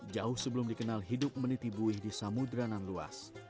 jauh sebelum dikenal hidup meniti buih di samuderanan luas